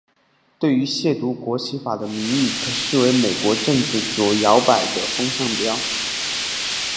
对于亵渎国旗法的民意可视为美国政治左摇摆的风向标。